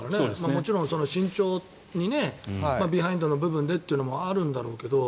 もちろん慎重にビハインドの部分でというのもあるんだろうけど。